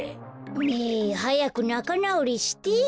ねえはやくなかなおりしてよ。